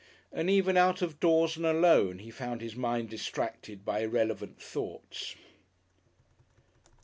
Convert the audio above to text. And even out of doors and alone, he found his mind distracted by irrelevant thoughts.